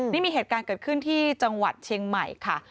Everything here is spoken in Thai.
นี่มีเหตุการณ์เกิดขึ้นที่จังหวัดเชียงใหม่ค่ะ